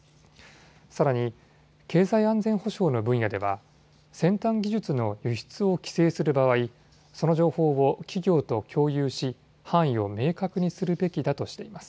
さらに経済安全保障の分野では先端技術の輸出を規制する場合、その情報を企業と共有し範囲を明確にするべきだとしています。